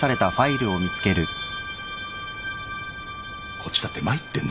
こっちだって参ってんだよ。